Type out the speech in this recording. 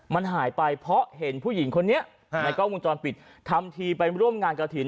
มันหายไปเพราะเห็นผู้หญิงคนนี้ในกล้องวงจรปิดทำทีไปร่วมงานกระถิ่น